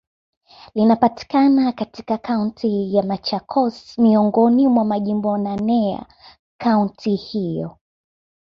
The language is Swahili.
Linapatikana katika Kaunti ya Machakos, miongoni mwa majimbo naneya kaunti hiyo.